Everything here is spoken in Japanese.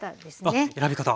あっ選び方。